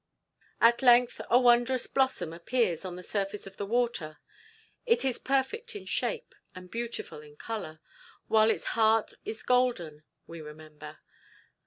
At length a wondrous blossom appears on the surface of the water. It is perfect in shape, and beautiful in colour, while its heart is golden, we remember.